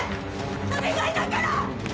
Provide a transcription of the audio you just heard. お願いだから！